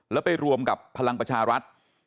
แล้วไปรวมกับพลังประชารัฐ